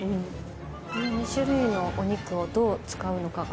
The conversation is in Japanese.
この２種類のお肉をどう使うのかが。